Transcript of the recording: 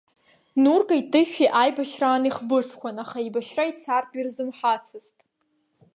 Нуркеи Тышәи аибашьраан ихбыџқәан, аха еибашьра ицартә ирзымҳацызт.